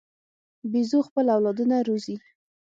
بیزو خپل اولادونه روزي.